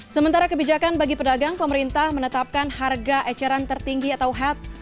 sementara kebijakan bagi pedagang pemerintah menetapkan harga eceran tertinggi atau head